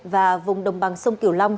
và vùng đồng bằng sông kiểu long